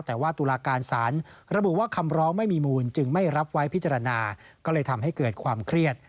แต่ว่าตุลาการสารระบุว่าคำร้องไม่มีมูลจึงไม่รับไว้พิจารณาก็เลยทำให้เกิดความเครียด